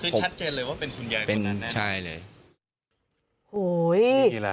จะชัดเจนเลยว่าเป็นคุณใหญ่คุณนั้นน่ะ